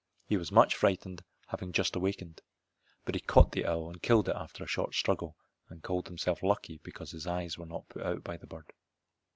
He was much frightened, having just awakened. But he caught the owl and killed it after a short struggle, and called himself lucky because his eyes were not put out by the bird.